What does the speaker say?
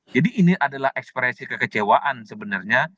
ini adalah ekspresi kekecewaan sebenarnya